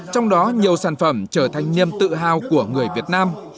trong đó nhiều sản phẩm trở thành niềm tự hào của người việt nam